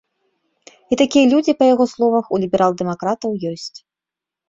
І такія людзі, па яго словах, у ліберал-дэмакратаў ёсць.